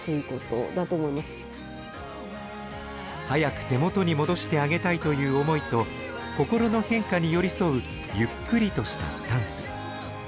早く手元に戻してあげたいという思いと、心の変化に寄り添うゆっくりとしたスタンス。